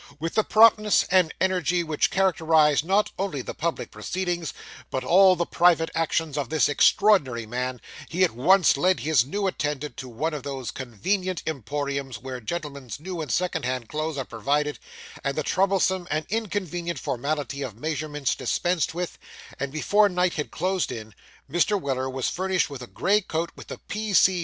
With the promptness and energy which characterised not only the public proceedings, but all the private actions of this extraordinary man, he at once led his new attendant to one of those convenient emporiums where gentlemen's new and second hand clothes are provided, and the troublesome and inconvenient formality of measurement dispensed with; and before night had closed in, Mr. Weller was furnished with a grey coat with the P. C.